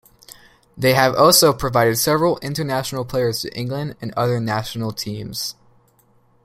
They have also provided several international players to England and other national teams.